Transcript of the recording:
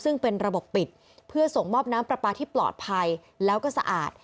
ซึ่งเป็นระบบปิดเพื่อส่งมอบน้ำปลาปลาที่ปลอดภัยแล้วก็สะอาด